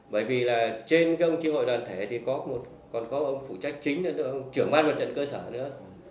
bởi vì là trên các ông tri hội đoàn thể thì còn có ông phụ trách chính nữa nữa ông trưởng ban một trận cơ sở nữa